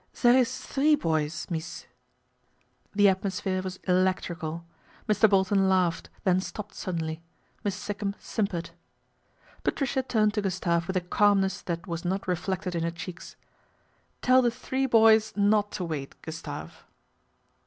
' There ees three boys, mees." The atmosphere was electrical. Mr. Bolton laughed, then stopped suddenly. Miss Sikkum simpered. Patricia turned to Gustave with a calmness that was not reflected in her cheeks. ' Tell the three boys not to wait, Gustave."